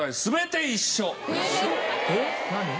えっ何？